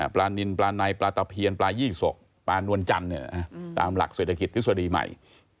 นินปลาในปลาตะเพียนปลายี่สกปลานวลจันทร์ตามหลักเศรษฐกิจทฤษฎีใหม่